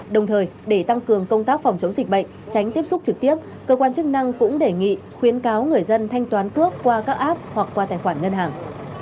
đồng thời để tăng cường công tác phòng chống dịch bệnh tránh tiếp xúc trực tiếp cơ quan chức năng cũng đề nghị khuyến cáo người dân thanh toán cước qua các app hoặc qua tài khoản ngân hàng